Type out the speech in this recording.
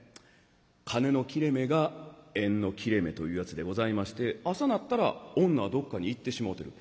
「金の切れ目が縁の切れ目」というやつでございまして朝なったら女はどっかに行ってしもうてる。